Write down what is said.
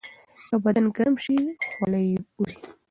که بدن ګرم شي، خوله یې وځي.